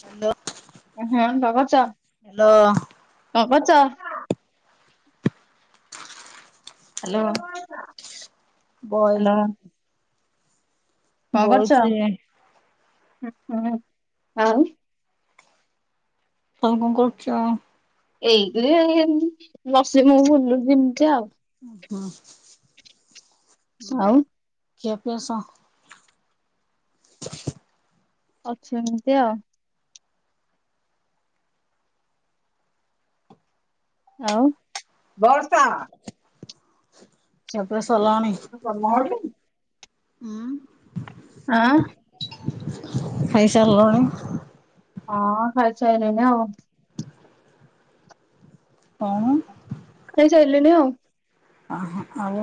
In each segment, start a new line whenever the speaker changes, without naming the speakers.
Hello
ହୁଁ କରୁଚ? Hello.
ବଏଜ୍
କଁ କରୁଚ
ବଇଚି
ହଁ ଆଉ।
ଆଉ କଁ କରୁଚ?
ଏଇ କିରେ ବସି ମୁଁ ବୁଲୁଛି ଯେମିତି ଆଉ।
ହଁ
ଆଉ
ଖିଆ ପିଆ ସ
ଅଛି ଏମିତି ଆଉ। ଆଉ ବଡ୍
ଖିଆ ପିଆ ସରିଲାଣି?
[unintelligible]
ଉଁ
ଆଁ
ଖାଇସାରିଲଣି।
ହଁ ଖାଇ ସାଇଲିଣି ଆଉ।
କଣ?
ଖାଇ ସାଇଲିଣି ଆଉ।
ଆଁହ ଆଉ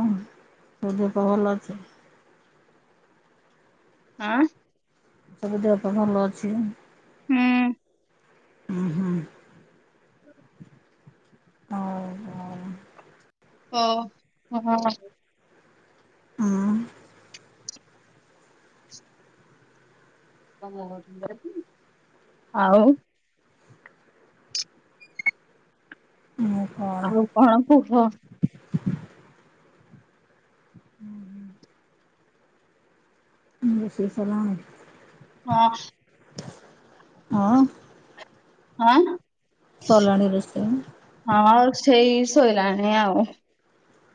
ତୋ ଦେହପା ଭଲ ଅଛି?
ଆଁ।
ସବୁ ଦେହ ପା ଭଲ ଅଛି।
ହୁଁ।
ହୁହୁ।
[inaudible]
ଆଉ କଣ
ହୋ
ଉଁ।
ଆଉ।
[unintelligible]
ଆଉ କଣ କୁହ।
ରୋଷେଇ ସରିଲାଣି?
ହଁ।
ହଁ।
ଆଁ।
ସରିଲାଣି ରୋଷେଇ।
ହଁ ଆଉ ସେଇ ଶୋଇଲାଣି ଆଉ।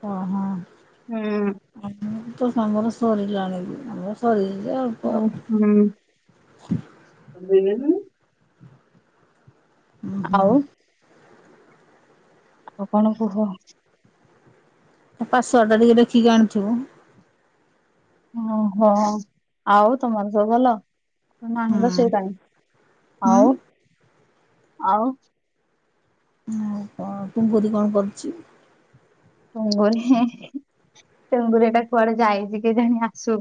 କହ।
ହୁଁ
[inaudible] ସାଙ୍ଗର ସରିଲାଣିିବି ଆମର ସାରିଛି ଯେ ଅଳ୍ପ।
ହୁଁ [unintelligible]
ଉଁ ହୁଁ।
ଆଉ ଆଉ କଣ କୁହ?
ତା ପାଶୱର୍ଡ ଟା ଟିକେ ଦେଖିକି ଆଣିଥିବୁ।
ଓହୋ ଆଉ ତମର ସବୁ ଭଲ? ନାହିଁ ତ
ହୁଁ।
ସେ କାଇଁ
ହୁଁ
ଆଉ ଆଉ।
ଆଉ କଣ ତୁଙ୍ଗୁରି କଣ କରୁଛି?
ଟୁଙ୍ଗୁରି ହିଁ। ଟୁଙ୍ଗୁରୀ ଟା କୁଆଡେ ଯାଇଛି କିଜାଣି ଆସୁ।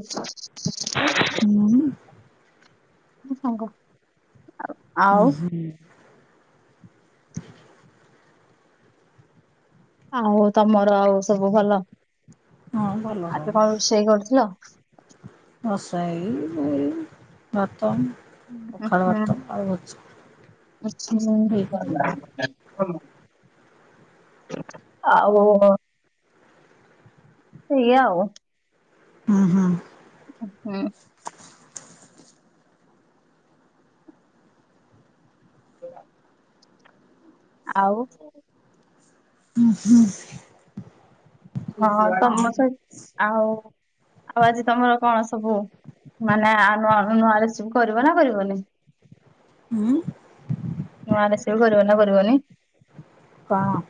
ହୁଁ
ମୋ ସାଙ୍ଗ ଆଉ
ଉମଂ ହଁ
ଆଉ ତମର ଆଉ ସବୁ ଭଲ
ହଁ ଭଲ
ଆଜି କଣ ରୋଷେଇ କରୁଥିଲ?
ରଷାଇ ଏଇ ଭାତ
ହଁ
ପଖାଳ ଭାତ ଆଳୁ ଭଜା
ହୁ ଆଛା
ହେଇଛି
ହଁ ଆଉ ଏୟା ଆଉ
ହୁଁ ହୁଁ
ହଁ ହ ଆଉ
ହୁଁ ହୁଁ
ହଁ ତମ ସହି ଆଉ ଆଉ ଆଜି ତମର କଣ ସବୁ ମାନେ ନୂଆ ନୂଆରେ ସବୁ କରିବ ନା କରିବନି?
ଉଁମ
ନୂଆ [unintelligible] ବି କରିବ ନା କରିବନି?
କଣ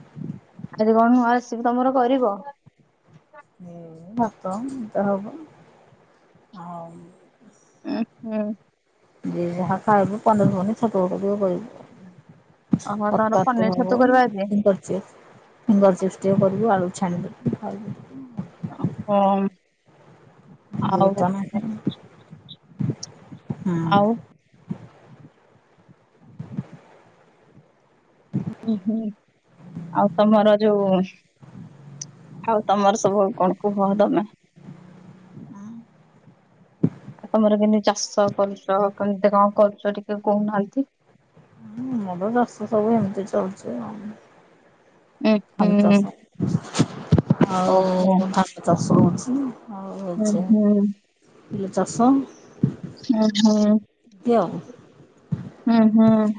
ଆଜି କଣ ନୂଆ ରିସିବି ତମର କରିବ?
ଭାତ [unintelligible] ହବ ଆଉ
ଓ ହଁ
ଯିଏ ଯାହା ଖାଇବ ପନିର ଫନିର ଛତୁ ପକେଇକି [unintelligible]
ଓହୋ
ପତ
ତମର
ଆତ
ପନିର
ହ
ଛତୁ କରିବା ଆଜି
ଫିଙ୍ଗର ଚିପ୍ସ ଟିକେ କରିବୁ ଆଳୁକୁ ଛାଣିଦେବୁ। [unintelligible]
ଓଁ ହଂ
ବୋଉତ ନହିଁ, ହୁଁ
ଆଉ ହୁଁ ହୁଁ ଆଉ ତମର ଯୋଉ ଆଉ ତମର ସବୁ କଣ କୂହ ତମେ? ତମର କେମିତି ଚାଷ କରୁଛ କେମତି କଣ କରୁଛ ଟିକେ କହୁନାହାନ୍ତି?
ମୋର ଚାଷ ସବୁ ହେମିତି ଚାଲଛି ଆଉ।
ଉଁ
[unintelligible]
ହୁଁ ଓହୋ
ଆଉ ଚାଷ ହଉଚି ଆଉ
ଉଁ
ହେଉଛ
ହୁଁ
[unintelligible] ଚାଷ। ଆଉ
ହୁଂହୁଂ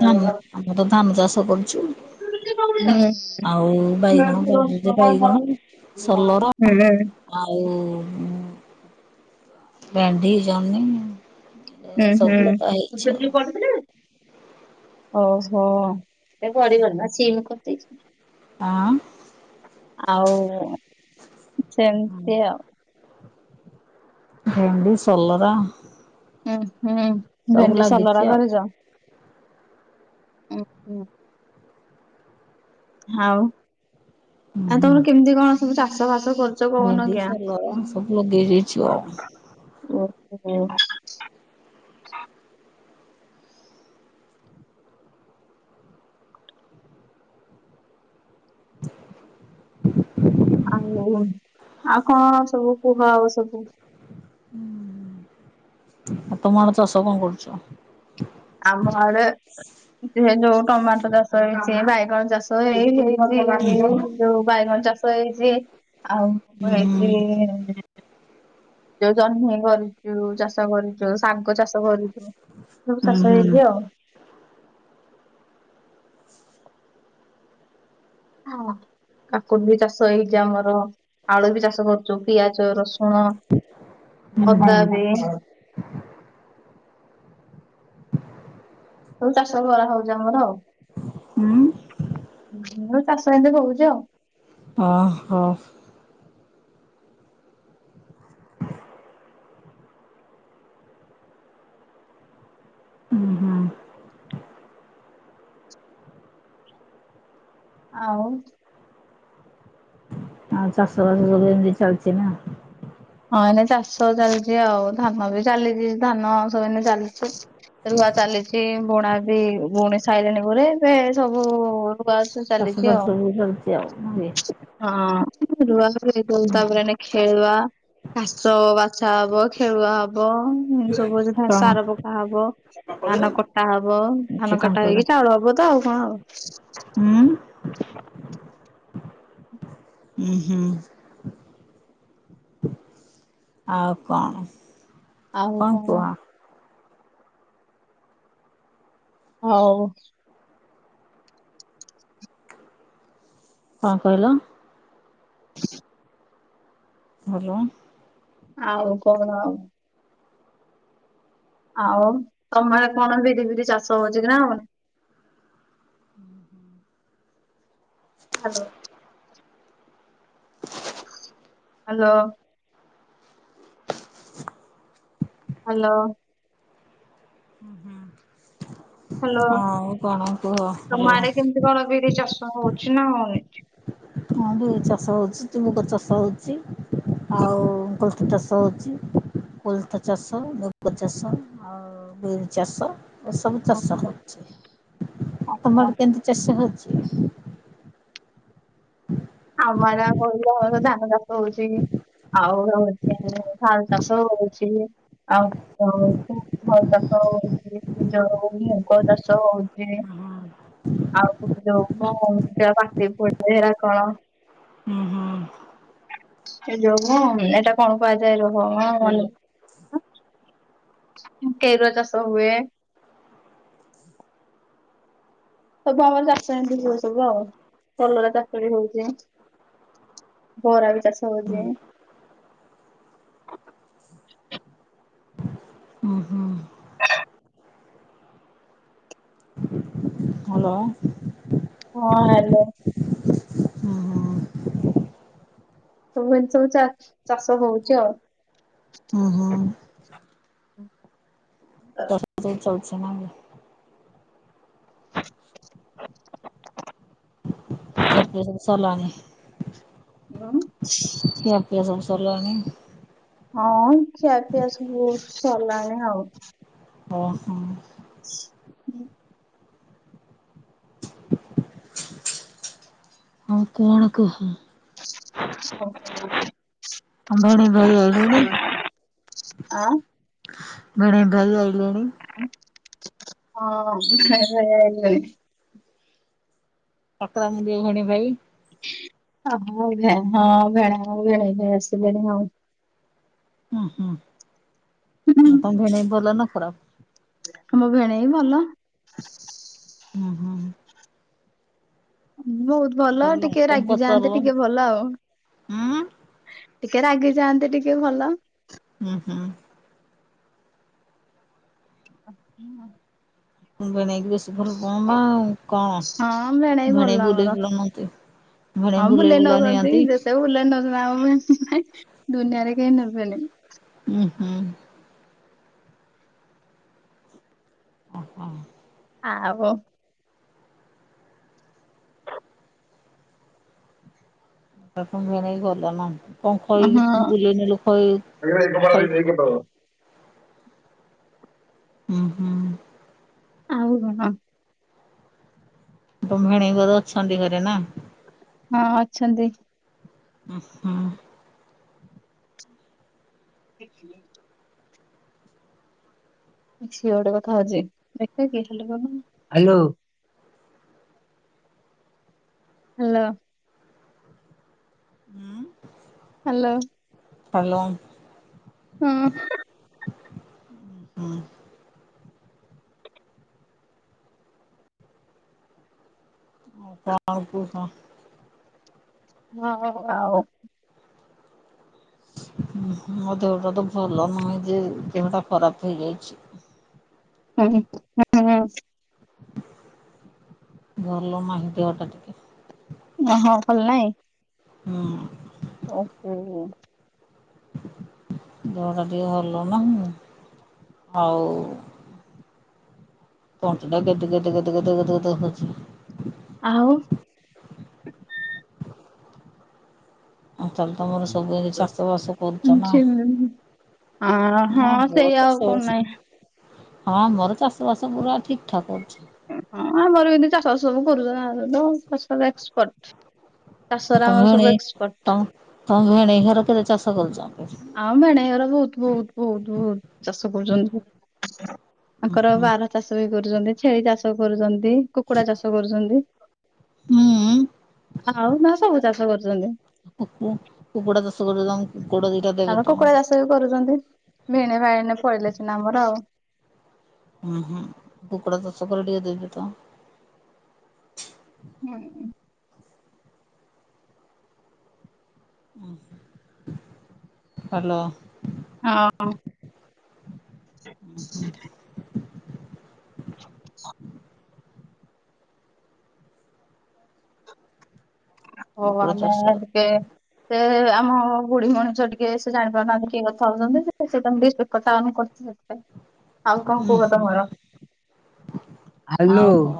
ଧାନ ଆମେ ତ ଧାନ ଚାଷ କରୁଛୁ ଆଉ
ଆଉ
ବାଇଗଣ ବାଡିରେ ବାଇଗଣ ସଲରା
ହୁଂ
ଆଉ ଭେଣ୍ଡିି ଜହନି
ହୁଁ ହୁଁ [unintelligible] ଓହୋ ଏ ପଡ଼ିବନି ସୀନ କରିଦେଇଛି।
ଆଁ
ଆଉ
ଓହୋ
ସେମିତି ଆଉ
ଭେଣ୍ଡି ସଲରା।
ହୁଁ ହୁଁ
ସବୁ
ଭେଣ୍ଡି
ଲାଗିଛି
ସଲରା
ଆଉ
କରୁଚ। ହୁଁ ଯାଉ।
ହୁଁ
ଆ
ହୁଁ
ତମର କେମିତିକଣ ସବୁ ଚାଷବାସ କରୁଚ କହୁନ
ଭେଣ୍ଡି
ଆଜ୍ଞା?
ସଲରା ସବୁ ଅଗେଇ ଦେଇଛୁ ଆଉ।
[unintelligible]
[inaudible]
ଆଉ ଆଉକଣ ସବୁକୁହ ଆଉସବୁ।
ଆ ତମଆଡ଼େ ଚାଷକଣ କରୁଚ।
ଆମଆଡ଼େ ହେଯୋଉ ଟମାଟୋ ଚାଷ ହେଇଚି ବାଇଗଣ ଚାଷ ହେଇନି
ହୁଁ
[unintelligible] ଯୋଉ ବାଇଗଣ ଚାଷ ହେଇଚି ଆଉ
ହୁଁ
କଣ
ହୁଁ
ହେଇଚି ଯୋଉ ଜହ୍ନି କରିଚୁ ଚାଷ କରିଚୁ ଶାଗ ଚାଷ କରି ଥିବ
ହୁଁ
ଯୋଉଚାଷ ହେଇଚି ଆଉ। ହଁ। କାକୁଡ଼ିବି ଚାଷ ହେଇଚି ଆମର ଆଳୁବି ଚାଷ କରୁଚୁ ପିଆଜ ରସୁଣ।
ହୁଁ
ଅଦା
ହୁଁ
ବି ସବୁ ଚାଷ କରାହଉଚି ଆମର ଆଉ।
ହୁଁ।
ମୂଳରୁ ଚାଷ ଏମିତି ହଉଚି ଆଉ।।
ଓହୋ। ହୁଁ ହୁଁ
ଆଉ।
ଆଉ ଚାଷବାସ ସବୁ ଏମିତି ଚାଲିଚିନା।
ହଁ ଏଇନା ଚାଷ ଚାଲିଚି ଆଉ ଧାନବି ଚାଲିଚି ଧାନସବୁ ଏଇନା ଚାଲିଚି। ରୁଆ ଚାଲିଚି ବୁଣାବି ବୁଣି ସାଇଲେଣିି ପରେ ଏବେସବୁ ରୁଆ
ଚାଷବାସ ସବୁ ଚାଲିଚି ଆଉ ନୁହଁକି।
ରେଆ ପରେ ଦୋଉ ତାପରେ ଏଇନା ଖେଳୁଆ। ଘାସ ବାଛାହବ ଖେଳୁଆହବ ସବୁ
କି
[unintelligible]
କଣ
ସାର ପକାହବ। ଧାନ କଟାହବ
ଅଛି
ଧାନକଟା ହେଇକି ଚାଉଳ ହବତ ଆଉକଣ ହବ।
ଉଁ। ଉଁ ହୁଁ। ଆଉ କଣ। ଆଉ କଣ
ଆଉକଣ
କୁହ
ହଉ
କଣ କହିଲ।
[unintelligible]
ହ୍ୟାଲୋ।
ଆଉକଣ ଆଉ ଆଉ ତମଆଡ଼େ କଣ ବିରିଫିରି ଚାଷ ହଉଚି କିନା ହୋଉନି?
ଉଁ ହୁଁ।
ହ୍ୟାଲୋ। ହ୍ୟାଲୋ। ହ୍ୟାଲୋ।
ହୁଁ ହୁଁ।
ହ୍ୟାଲୋ
ଭଲ
ତମଆଡ଼େ କେମିତି କଣ ବିରିଚାଷ ହଉଚି ନାଁ ହଉନି?
ହ ବିରିଚାଷ ହଉଚି ମୁଗଚାଷ ହଉଚି ଆଉ ଚାଷ ହେଉଚି କୋଳଥଚାଷ ମୁଗଚାଷ ଆଉବିରି ଚାଷ ଏସବୁ ଚାଷ ହଉଚି
ହଁ
ତମଆଡ଼େ କେମତି ଚାଷ ହଉଚି?
ଆମଆଡ଼େ ଆଉ କହିଲିବା ଯୋଉ ଧାନଚାଷ ହଉଚି। ଆଉ ହଉଚି ସାରୁଚାଷ ହଉଚି ଆଉକଣ ହୋଉଚି ଘ ଚାଷ ହଉଛି ଯୋଉ ମୁଗ ଚାଷ ହଉଛି [unintelligible]
ଚାଲିଛି ନା ଖିଆପିଆ
ଏ ଯୋଉ ମ ଏଇଟା କଣ କୁହାଯାଏ [unintelligible] କେଋଆ ଚାଷ ହୁଏ ସବୁ ଆମର ଚାଷ ଏମିତି ହୁଏ ସବୁ ଆଉ କଲରା ଚାଷ ବି ହଉଛି। ବରା ବି ଚାଷ ହଉଛି।
ହୁଁ ହୁଁ। ହାଲୋ।
ହଁ ହାଲୋ। ସବୁ ଜିନିଷ ହ ଚା ଚାଷ ହଉଛି ଆଉ
[unintelligible] ଖିଆ ପିଆ ସବୁ ସାରିଲଣି
ଉଁ
ଖିଆ ପିଆ ସବୁ ସରିଲାଣି?
ହଁ ଖିଆ ପିଆ ସବୁ ସରିଲାଣି ଆଉ।
ଓହୋ।
ହୁଁ।
ଆଉ କଣ କହ?
[unintelligible]
ଭିଣେଇ ଭାଇ ଆଇଲେଣି
ଆ
ଭିଣେଇ ଭାଇ ଆଇଲେଣି?
ହଁ ଭିଣେଇ ଭାଇ ଆଇଲେଣି।
ପାକଳା ମୁଣ୍ଡେଇ ଭିଣେଇ ଭାଇ।
[unintelligible]
ହୁଁ ହୁଁ ତମ ଭିଣେଇ ଭଲ ନା ଖରାପ?
ତମ ଭିଣେଇ ଭଲ।
ହୁଁ ହୁଁ।
ବହୁତ ଭଲ ଟିକେ
କଣ
ରାଗି
ପଚାରିଲ
ଯାଆନ୍ତି ଟିକେ ଭଲ ଆଉ।
ଉଁ
ଟିକେ ରାଗି ଯାଆନ୍ତି ଟିକେ ଭଲ।
ହୁଁ ହୁଁ।
[inaudible]
ଭିଣେଇ କୁ ବେଶୀ ଭଲ ପାଅ ନା କଣ
ହଁ ଭେଣେଇ ଭଲ
ଭିଣେଇ
ଆମର
ବୁଲେଇ ନିଅନ୍ତି?
ହଁ
ଭିଣେଇ ବୁଲେଇ ବୁଲା
ନଉଛନ୍ତି
ନିଅନ୍ତି?
[unintelligible] ଦୁନିଆରେ କେହି ନେବେନି।
ହୁଁ ହୁଁ। ଓ ହୋ।
ଆଉ
ଆପଣଙ୍କ ଭିଣେଇ ଭଲ ନା କଣ ଖଇ ବୁଲେଇ ନେଲେ ଖଇ ଖଇ
[inaudible]
ହୁଁ ହୁଁ।
ଆଉ [unintelligible]
ତମ ଭିଣେଇଙ୍କର ଅଛନ୍ତି ଘରେ ନାଇଁ।
ହଁ ଅଛନ୍ତି।
ଓ ହୋ।
[inaudible] ଝିଅଟେ କଥା ହଉଛି ଦେଖି ଟିକେ ହାଲୋ କହିଲ ହାଲୋ ହ୍ୟାଲୋ
[unintelligible]
ହ୍ୟାଲୋ
ହ୍ୟାଲୋ
ହୁଁ
ହୁଁ। [unintelligible]
[unintelligible] ଆଉ
ମୋ ଦେହଟା ତ ଭଲ ନାହିଁ ଯେ ଦେହ ଟା ଖରାପ ହେଇଯାଇଛି।
[unintelligible]
ଭଲ ନାଇଁ ଦେହଟା ଟିକେ
ଓହ ଭଲ ନାଇଁ?
ହଁ।
[unintelligible]
ଦେହଟା ଟିକେ ଭଲ ନାହିଁ ଆଉ ତଣ୍ଟି ଟା ଗେଦେ ଗେଦେ ଗେଦେ ଗେଦେ ଗେଦେ ଗଦ ଗଦ ହଉଚି।
ଆଉ
[unintelligible] ତମର ସବୁ ଏଇ ଚାଷବାସ କରୁଛ ନା
ଅ ହଁ
ହ
ସେଇ ଆଉ କଣ ନାହିଁ ହଁ
[unintelligible] ହଁ ମୋର ଚାଷବାସ ପୁରା ଠିକ୍ ଠାକ୍ ଅଛି।
ହଁ ଆମର ଏମିତି ଚାଷ ବାସ ସବୁ [unintelligible] ଏକ୍ସପର୍ଟ। ଚାଷରେ ଆମର ସବୁ
ତମରି
ଏକ୍ସପର୍ଟ
ତମ ତମ ଭେଣେଇ ଘର କେତେ ଚାଷ କରୁଛ?
ଆଉ ଭେଣେଇ ଘର ବହୁତ ବହୁତ ବହୁତ ବହୁତ ଚାଷ କରୁଛନ୍ତି। ତାଙ୍କର ବାର
[unintelligible]
ଚାଷ ବି କରୁଛନ୍ତି ଛେଳି ଚାଷ କରୁଛନ୍ତି କୁକୁଡା ଚାଷ କରୁଛନ୍ତି।
ହୁଁ
ଆଉ ନା ସବୁ ଚାଷ କରୁଚନ୍ତି।
କୁ କୁ କୁକୁଡ଼ା ଚାଷ [unintelligible] କୁକୁଡ଼ା ଦେଇ
ଆମ କୁକୁଡ଼ା ଚାଷ ବି କରୁଛନ୍ତି ଭିଣେଇ ଭାଇ ଏଇନା ପଳେଇଲେ ସିନା ଆମର ଆଉ।
ହୁଁ ହୁଁ କୁକୁଡ଼ା [unintelligible] ପରେ ଟିକେ ଦେବେ ତ।
[unintelligible]
ହ୍ୟାଲୋ।
ହଁ। [unintelligible] [inaudible] [unintelligible]
କୁକୁଡ଼ା
ଆମେ
ଚାଷ।
ଟିକେ ସେ ଆମ ବୁଢୀ ମଣିଷ ଟିକେ ସେ ଜାଣିପାରୁନାହାନ୍ତି କିଏ କଥା ହଉଛନ୍ତି ସେ ତମ [unintelligible] ଆଉ କଣ କହୁ
ହୁଁ
ତମର?
ଆଉ
ହ୍ୟାଲୋ।
କଣ?